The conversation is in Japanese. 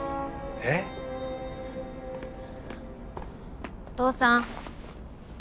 え⁉お父さん！